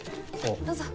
どうぞ。